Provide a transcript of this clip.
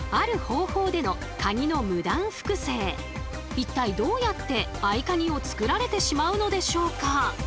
一体どうやって合カギを作られてしまうのでしょうか？